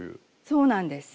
そうなんです。